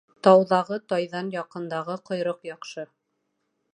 Тауҙағы тайҙан яҡындағы ҡойроҡ яҡшы.